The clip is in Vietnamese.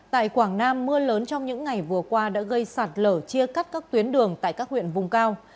tại quảng nam mưa lớn trong những ngày vừa qua đã gây sạt lở chia cắt các tuyến đường tại các huyện vùng cao